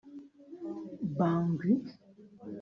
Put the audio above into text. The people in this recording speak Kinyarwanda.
Bangui